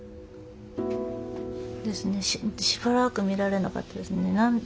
しばらく見られなかったですね。